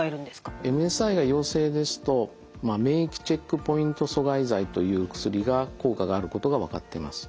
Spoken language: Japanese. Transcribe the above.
ＭＳＩが陽性ですと免疫チェックポイント阻害剤という薬が効果があることが分かってます。